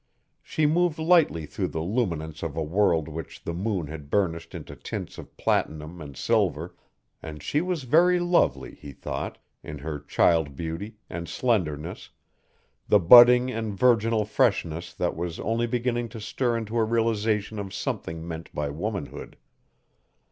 She moved lightly through the luminance of a world which the moon had burnished into tints of platinum and silver, and she was very lovely, he thought, in her child beauty and slenderness, the budding and virginal freshness that was only beginning to stir into a realization of something meant by womanhood.